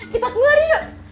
kita keluar yuk